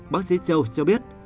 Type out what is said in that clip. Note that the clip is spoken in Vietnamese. bác sĩ châu cho biết